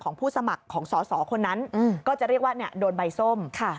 ผู้สมัครของสอสอคนนั้นก็จะเรียกว่าโดนใบส้ม